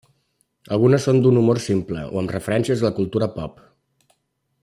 Algunes són d'un humor simple o amb referències a la cultura pop.